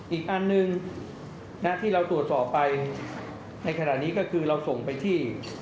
อีกอันหนึ่งที่เราตรวจสอบไปในขณะนี้ก็คือเราส่งไปที่